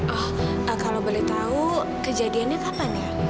oh kalau boleh tahu kejadiannya kapan ya